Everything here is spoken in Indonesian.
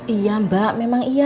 iya mbak memang iya